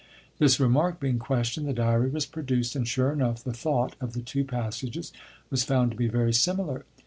This remark being questioned, the diary was produced, and, sure enough, the thought of the two passages was found to be very similar.